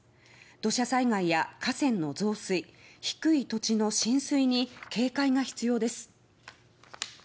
土砂災害や河川の増水低い土地の浸水に警戒が必要です。